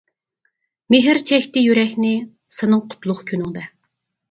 مېھىر چەكتى يۈرەكنى، سېنىڭ قۇتلۇق كۈنۈڭدە.